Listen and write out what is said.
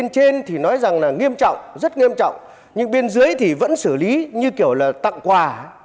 trên thì nói rằng là nghiêm trọng rất nghiêm trọng nhưng bên dưới thì vẫn xử lý như kiểu là tặng quà